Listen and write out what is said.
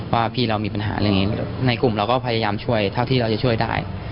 ว่าพี่เรามีปัญหาเรื่องนี้ในกลุ่มเราก็พยายามช่วยเท่าที่เราจะช่วยได้